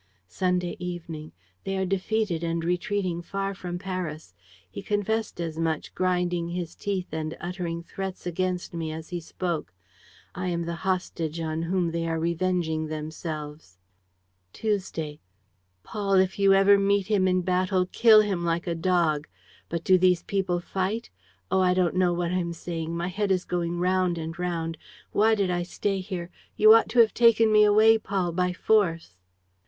"Sunday evening. "They are defeated and retreating far from Paris. He confessed as much, grinding his teeth and uttering threats against me as he spoke. I am the hostage on whom they are revenging themselves. ... "Tuesday. "Paul, if ever you meet him in battle, kill him like a dog. But do those people fight? Oh, I don't know what I'm saying! My head is going round and round. Why did I stay here? You ought to have taken me away, Paul, by force.